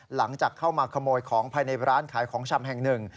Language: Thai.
หลังจากเข้ามาขโมยของภายในร้านขายของชำแห่งหนึ่ง